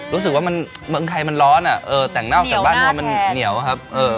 รู้สึกว่าเมืองไทยมันร้อนอ่ะแต่หน้าออกจากบ้านมันเหนียวครับ